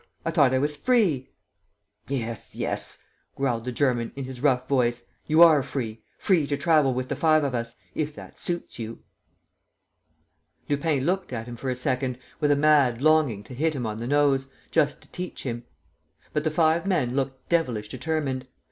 I thought I was free!" "Yes, yes," growled the German, in his rough voice, "you are free ... free to travel with the five of us ... if that suits you." Lupin looked at him, for a second, with a mad longing to hit him on the nose, just to teach him. But the five men looked devilish determined.